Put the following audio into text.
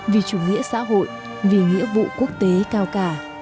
vì chủ nghĩa xã hội vì nghĩa vụ quốc tế cao cả